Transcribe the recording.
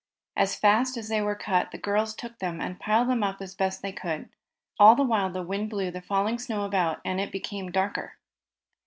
As fast as they were cut the girls took them, and piled them up as best they could. All the while the wind blew the falling snow about, and it became darker.